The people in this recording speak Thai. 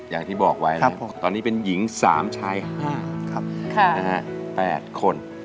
อย่างที่บอกไว้นะครับตอนนี้เป็นหญิง๓ชาย๕ครับ๘คน